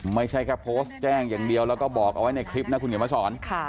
ไม่ใช่แค่โพสต์แจ้งอย่างเดียวแล้วก็บอกเอาไว้ในคลิปนะคุณเขียนมาสอน